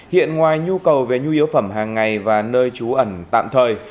hiện ngoài nhu cầu về nhu yếu phẩm hàng ngày và nơi trú ẩn tạm thời